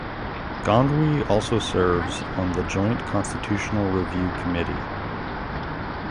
Gondwe also serves on the Joint Constitutional Review Committee.